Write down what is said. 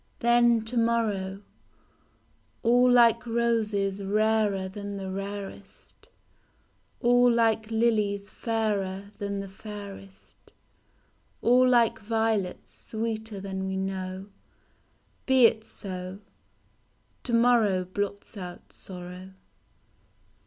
Then to morrow :— All like roses rarer than the rarest, All like lilies fairer than the fairest, All like violets sweeter than we know ; Be it so, To morrow blots out sorrow.